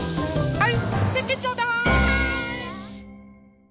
はい。